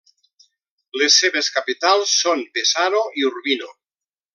Les seves capitals són Pesaro i Urbino.